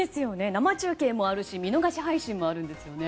生中継もあるし見逃し配信もあるんですよね。